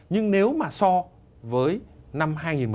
nếu mà so với năm hai nghìn một mươi năm